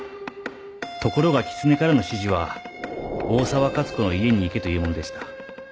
ところが狐からの指示は「大沢勝子の家に行け」というものでした。